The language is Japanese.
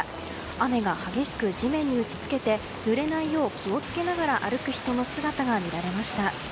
雨が激しく地面に打ち付けてぬれないよう気をつけながら歩く人の姿が見られました。